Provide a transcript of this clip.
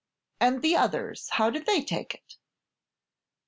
"And the others, how did they take it?"